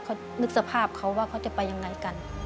เขานึกสภาพเขาว่าเขาจะไปยังไงกัน